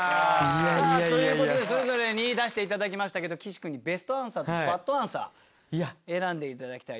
さぁということでそれぞれに出していただきましたけど岸君にベストアンサーとバッドアンサー選んでいただきたいと。